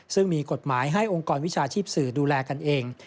ซึ่งมีกฎหมายให้องค์กรวิชาชีพสื่อดูแลกันเอง